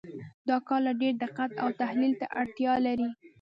دا کار لا ډېر دقت او تحلیل ته اړتیا لري.